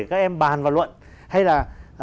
các em bàn vào luận hay là